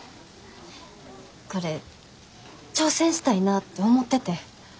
これ挑戦したいなぁって思ってて。